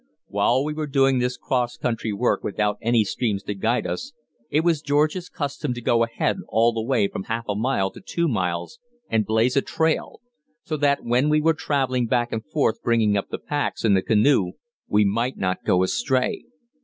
While we were doing this cross country work without any streams to guide us, it was George's custom to go ahead all the way from half a mile to two miles and blaze a trail, so that when we were travelling back and forth bringing up the packs and the canoe we might not go astray.